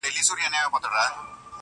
د لنډیو ږغ به پورته د باغوان سي٫